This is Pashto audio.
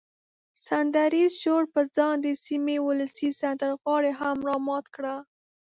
سندریز شور پر ځان د سیمې ولسي سندرغاړي هم را مات کړه.